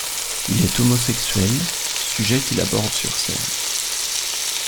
Il est homosexuel, sujet qu'il aborde sur scène.